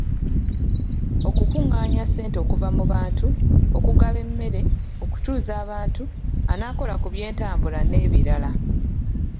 Okukuŋŋaanya ssente okuva mu bantu, okugaba emmere, okutuuza abantu, anaakola ku by’entambula n’ebirala.